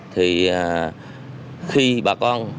thì khi bà con